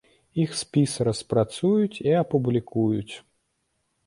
Іх спіс распрацуюць і апублікуюць.